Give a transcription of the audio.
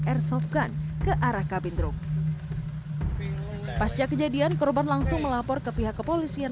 airsoft gun ke arah kabin truk pasca kejadian korban langsung melapor ke pihak kepolisian